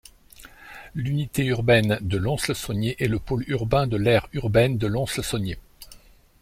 L'unité urbaine de Lons-le-Saunier est le pôle urbain de l'aire urbaine de Lons-le-Saunier.